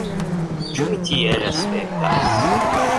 Ĉu mi tiel aspektas?